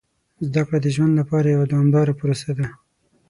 زده کړه د ژوند لپاره یوه دوامداره پروسه ده.